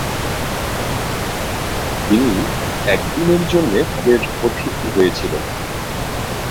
তিনি একদিনের জন্যে তাদের অতিথি হয়েছিলেন।